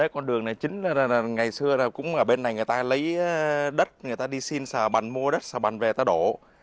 con đường này chính là ngày xưa cũng ở bên này người ta lấy đất người ta đi xin sờ bàn mua đất xà bàn về ta đổ